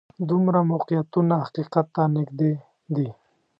دوه موقعیتونه حقیقت ته نږدې دي.